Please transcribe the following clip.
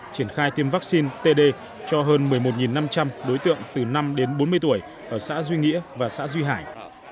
triển khai tiêm vaccine td cho hơn một mươi một năm trăm linh đối tượng từ năm đến bốn mươi tuổi ở xã duy nghĩa và xã duy hải